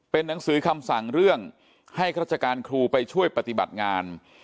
เป็นหนังสือคำสั่งเรื่องให้ราชการครูไปช่วยปฏิบัติงาน